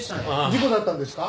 事故だったんですか？